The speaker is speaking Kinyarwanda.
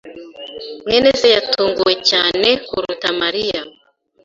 mwene se yatunguwe cyane kuruta Mariya.